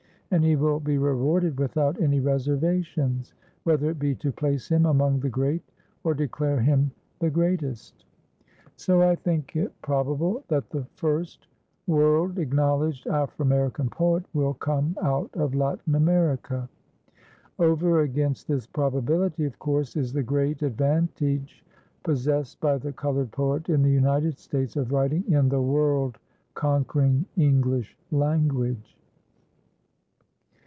And he will be rewarded without any reservations, whether it be to place him among the great or declare him the greatest. So I think it probable that the first world acknowledged Aframerican poet will come out of Latin America. Over against this probability, of course, is the great advantage possessed by the colored poet in the United States of writing in the world conquering English language.